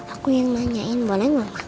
aku yang nanyain boleh nggak